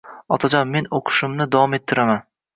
Otajon, men o`qishimni davom ettiraman